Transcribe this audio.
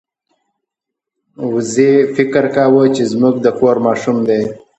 وزې فکر کاوه چې زموږ د کور ماشوم دی.